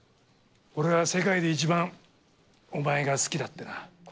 俺は世界で一番お前が好きだってな。